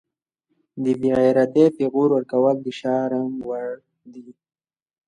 د بیغیرتۍ پیغور ورکول د شرم وړ دي